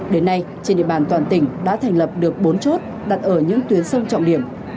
đến nay trên địa bàn toàn tỉnh đã thành lập được bốn chốt đặt ở những tuyến sông trọng điểm